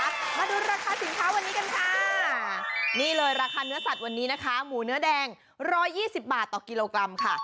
มาดูราคาสินค้าวันนี้กันค่ะนี่เลยราคาเนื้อสัตว์วันนี้นะคะหมูเนื้อแดงร้อยยี่สิบบาทต่อกิโลกรัมค่ะ